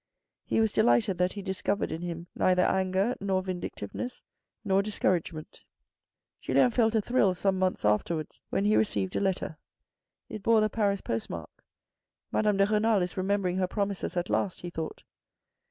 He was delighted that he discovered in him neither anger, nor vindictiveness, nor discouragement. Julien felt a thrill some months afterwards when he received a letter. It bore the Paris post mark. Madame de Renal is remembering her promises at last, he thought.